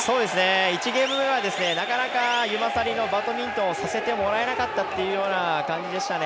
１ゲーム目はなかなかユマサリのバドミントンをさせてもらえなかったような感じですね。